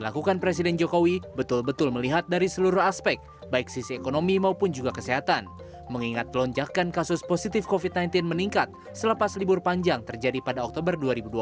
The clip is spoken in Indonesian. ketua satgas penanganan covid sembilan belas meningkat selepas libur panjang terjadi pada oktober dua ribu dua puluh